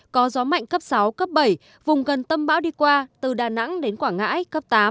có gió mạnh cấp sáu cấp bảy vùng gần tâm bão đi qua từ đà nẵng đến quảng ngãi cấp tám